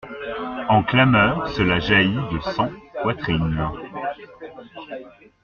En clameur, cela jaillit de cent poitrines.